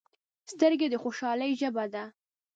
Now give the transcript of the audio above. سترګې د خوشحالۍ ژبه ده